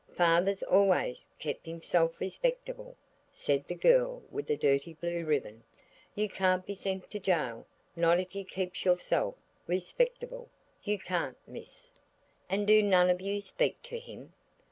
"Father's always kep' hisself respectable," said the girl with the dirty blue ribbon. "You can't be sent to jail, not if you keeps yourself respectable, you can't, miss." "And do none of you speak to him?"